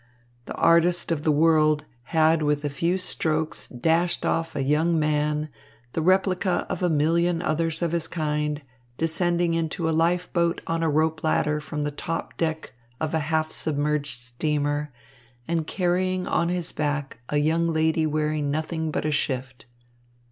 The artist of The World had with a few strokes dashed off a young man, the replica of a million others of his kind, descending into a life boat on a rope ladder from the top deck of a half submerged steamer and carrying on his back a young lady wearing nothing but a shift.